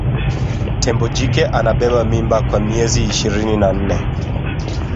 tembo jike anabeba mimba kwa miezi ishirini na nne